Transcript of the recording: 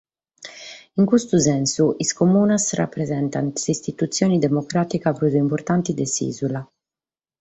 In custu sensu, is Comunas rapresentant s’istitutzione democràtica prus importante de s’ìsula.